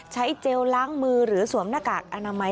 เจลล้างมือหรือสวมหน้ากากอนามัย